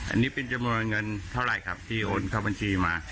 อันนี้เป็นจำนวนเงินเท่าไหร่ครับที่โอนเข้าบัญชีมา